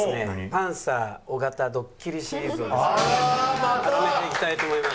パンサー尾形ドッキリシリーズをですね始めていきたいと思います。